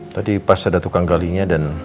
tadi pas ada tukang galinya dan